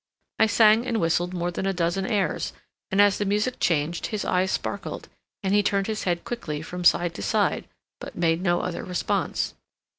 I sang and whistled more than a dozen airs, and as the music changed his eyes sparkled, and he turned his head quickly from side to side, but made no other response.